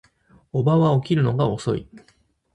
叔母は起きるのが遅い